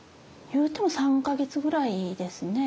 言うても３か月ぐらいですね。